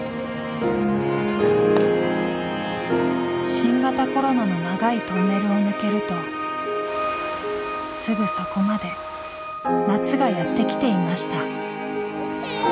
新型コロナの長いトンネルを抜けるとすぐそこまで夏がやって来ていました。